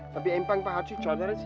tapi empang pak haji coba dari sini